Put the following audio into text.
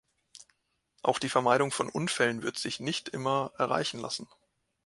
Auch die Vermeidung von Unfällen wird sich nicht immer erreichen lassen.